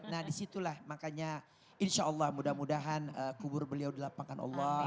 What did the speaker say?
nah disitulah makanya insya allah mudah mudahan kubur beliau di lapangan allah